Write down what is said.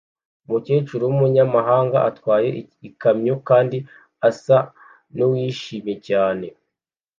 Umukecuru wumunyamahanga atwaye ikamyo kandi asa nuwishimye cyane